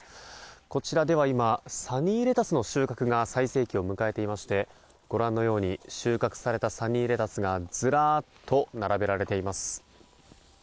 こちらでは今、サニーレタスの収穫が最盛期を迎えていましてご覧のように収穫されたサニーレタスがずらっと並べられています。